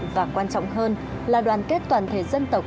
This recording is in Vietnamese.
và quan trọng hơn là đoàn kết toàn thể dân tộc